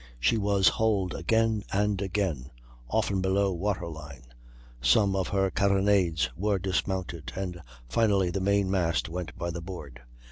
She was hulled again and again, often below water line; some of her carronades were dismounted, and finally the main mast went by the board.